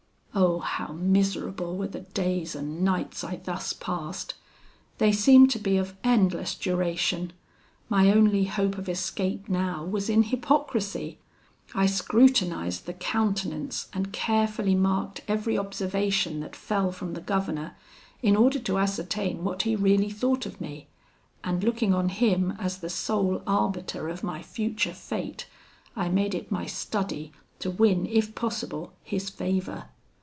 "Oh! how miserable were the days and nights I thus passed! They seemed to be of endless duration. My only hope of escape now, was in hypocrisy; I scrutinised the countenance, and carefully marked every observation that fell from the governor, in order to ascertain what he really thought of me; and looking on him as the sole arbiter of my future fate, I made it my study to win, if possible, his favour.